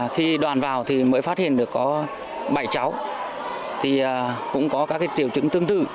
khi đoàn vào thì mới phát hiện được có bảy cháu cũng có các triệu chứng tương tự